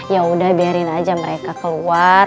ya udah biarin aja mereka keluar